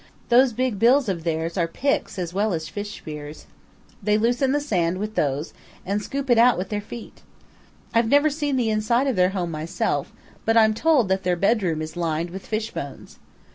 "Those big bills of theirs are picks as well as fish spears. They loosen the sand with those and scoop it out with their feet. I've never seen the inside of their home myself, but I'm told that their bedroom is lined with fish bones.